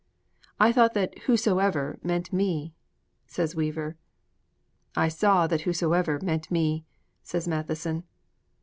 'I thought that "whosoever" meant "me"' says Weaver. 'I saw that "whosoever" meant "me,"' says Matheson.